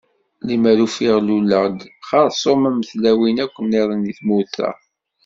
Limer ufiɣ luleɣ-d xersum am tlawin akk niḍen deg tmurt-a.